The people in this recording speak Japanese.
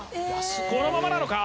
このままなのか？